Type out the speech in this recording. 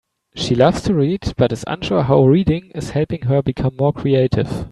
She loves to read, but is unsure how reading is helping her become more creative.